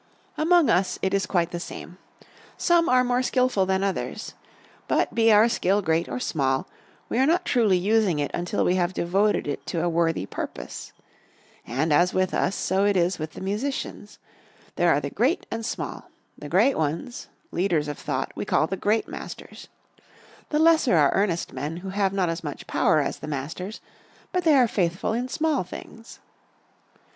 Among us it is quite the same. Some are more skilful than others. But be our skill great or small, we are not truly using it until we have devoted it to a worthy purpose. And as with us, so it is with the musicians. There are the great and small. The great ones leaders of thought we call the great masters. The lesser are earnest men, who have not as much power as the masters, but they are faithful in small things.